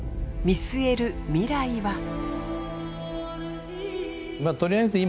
見据える未来は。